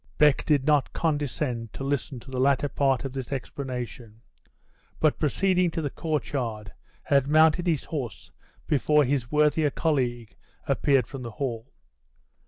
Beck did not condescend to listen to the latter part of this explanation; but proceeding to the court yard, had mounted his horse before his worthier colleague appeared from the hall.